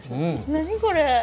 何これ。